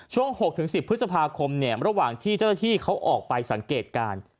ช่วงหกถึงสิบพฤษภาคมเนี่ยระหว่างที่เจ้าที่เขาออกไปสังเกตการณ์